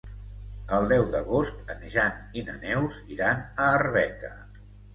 El deu d'agost en Jan i na Neus iran a Arbeca.